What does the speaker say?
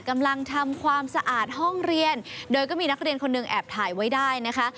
กำลังทำความสะอาดห้องเรียนโดยก็มีนักเรียนคนหนึ่งแอบถ่ายไว้ได้นะคะ